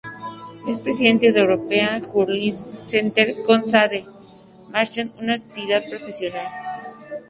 Es presidente del European Journalism Center, con sede en Maastricht, una entidad profesional.